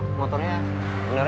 itu udah gak pernah miser